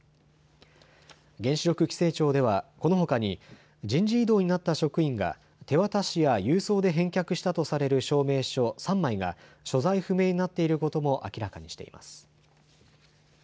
原子力規制庁ではこのほかに人事異動になった職員が手渡しや郵送で返却したとされる証明書３枚が所在不明になっていることも明らかにしています。